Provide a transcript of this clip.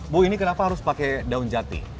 bu ini kenapa harus pakai daun jati